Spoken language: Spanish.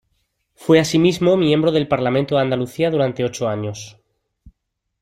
Fue asimismo miembro del Parlamento de Andalucía durante ocho años.